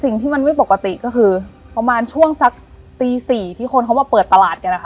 สิ่งที่มันไม่ปกติก็คือประมาณช่วงสักตีสี่ที่คนเขามาเปิดตลาดกันนะคะ